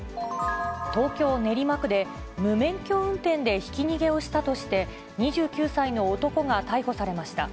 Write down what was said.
東京・練馬区で、無免許運転でひき逃げをしたとして、２９歳の男が逮捕されました。